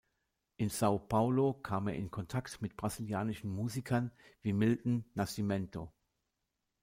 In São Paulo kam er in Kontakt mit brasilianischen Musikern wie Milton Nascimento.